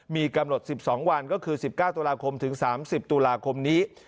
มีกำหนด๑๒วันก็คือ๑๙ตุลาคมถึง๓๐ตุลาคมนี้